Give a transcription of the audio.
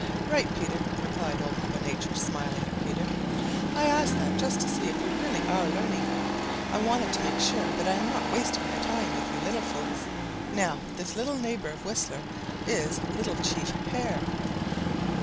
"Right, Peter," replied Old Mother Nature, smiling at Peter. "I asked that just to see if you really are learning. I wanted to make sure that I am not wasting my time with you little folks. Now this little neighbor of Whistler is Little Chief Hare."